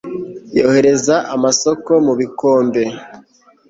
Yohereza amasōko mu bikombe